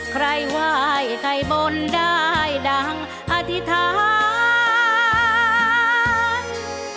ใครไหว้ใครบนได้ดังอธิษฐาน